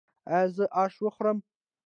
ایا زه اش وخورم؟